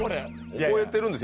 覚えてるんですよ。